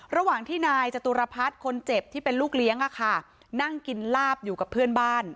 ระหว่างที่นายจตุรพัฒน์คนเจ็บที่เป็นลูกเลี้ยงนั่งกินลาบอยู่กับเพื่อนบ้าน